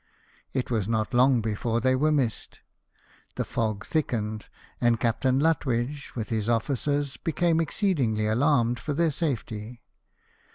It was not long before they were missed. The fog thickened, and Captain Lut widge and his officers became exceedingly alarmed for their safety.